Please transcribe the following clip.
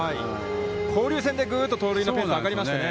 交流戦でぐっと盗塁のペースが上がりましたね。